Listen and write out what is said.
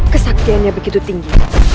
kesaktiannya begitu tinggi